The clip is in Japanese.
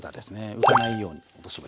浮かないように落としぶたします。